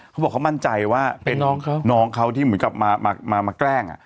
เขาบอกเขามั่นใจว่าเป็นน้องเขาที่เหมือนกับมาแกล้ง